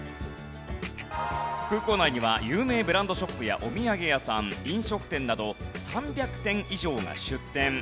空港内には有名ブランドショップやお土産屋さん飲食店など３００店以上が出店。